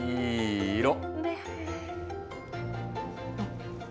いい色。